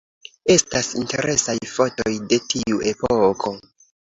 Estas interesaj fotoj de tiu epoko.